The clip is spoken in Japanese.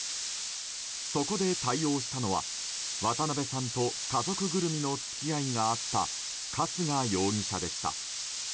そこで対応したのは渡辺さんと家族ぐるみの付き合いがあった春日容疑者でした。